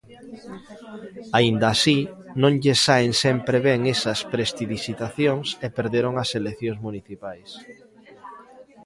Aínda así, non lles saen sempre ben esas prestidixitacións e perderon as eleccións municipais.